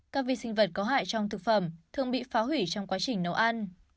các vi sinh vật có hại trong thực phẩm thường bị phá hủy trong quá trình nấu ăn